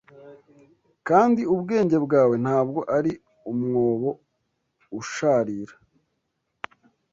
Kandi ubwenge bwawe ntabwo ari umwobo usharira